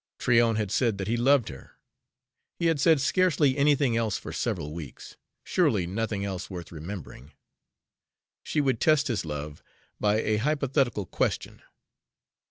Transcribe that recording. Tryon had said that he loved her; he had said scarcely anything else for several weeks, surely nothing else worth remembering. She would test his love by a hypothetical question.